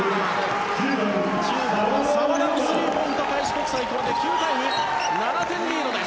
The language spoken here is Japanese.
１０番、澤田のスリーポイント開志国際、これで９対２７点リードです。